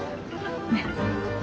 ねっ。